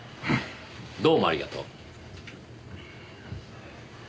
どうもありがとう。